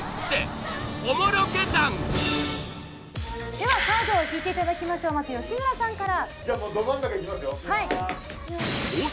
ではカードを引いていただきましょうまず吉村さんから。